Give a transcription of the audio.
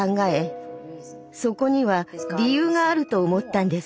そこには理由があると思ったんです。